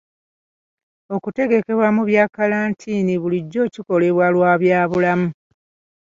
Okutegekebwa mu kalantiini bulijjo kikolebwa lwa bya bulamu.